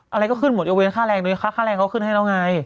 อะไรก็ขึ้นหมดยกเว้นค่าแรงเลยค่าแรงเขาขึ้นให้แล้วไง